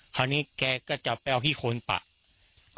คราวนี้แกก็จะไปเอาขี้โคนปะ